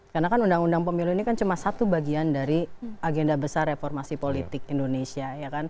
karena kan undang undang pemilu ini cuma satu bagian dari agenda besar reformasi politik indonesia